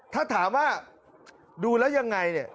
ถ้าถามว่าดูแล้วยังไงเนี่ย